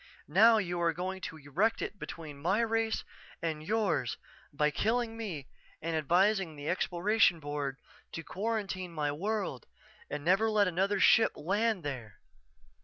Now you are going to erect it between my race and yours by killing me and advising the Exploration Board to quarantine my world and never let another ship land there.